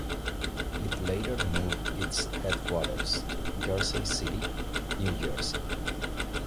It later moved its headquarters to Jersey City, New Jersey.